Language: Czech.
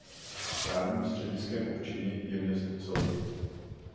Správním střediskem občiny je město Celje.